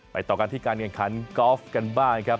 ต่อกันที่การแข่งขันกอล์ฟกันบ้างครับ